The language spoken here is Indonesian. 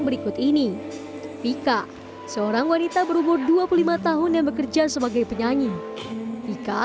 berikut ini pika seorang wanita berumur dua puluh lima tahun yang bekerja sebagai penyanyi pika